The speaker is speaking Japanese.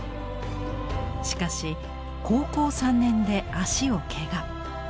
しかし高校３年で足をケガ。